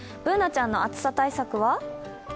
Ｂｏｏｎａちゃんの暑さ対策は？